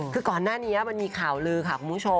คือก่อนหน้านี้มันมีข่าวลือค่ะ